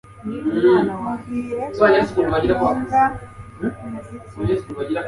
Mubwire ko numva umuziki